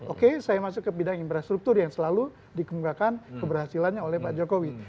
oke saya masuk ke bidang infrastruktur yang selalu dikemukakan keberhasilannya oleh pak jokowi